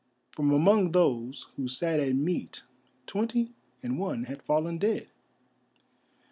From among those who sat at meat twenty and one had fallen dead.